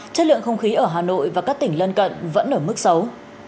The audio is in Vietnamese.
chất lượng không khí ở hà nội và các tỉnh lân cận vẫn ở mức xấu